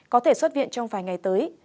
có thể xuất viện trong vài ngày tới